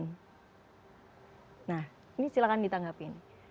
nah ini silahkan ditanggapi